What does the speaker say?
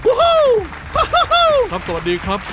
โอ้โหสวัสดีครับ